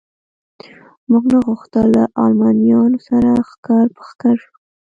موږ نه غوښتل له المانیانو سره ښکر په ښکر شو.